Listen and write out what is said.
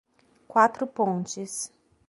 Quatro Pontes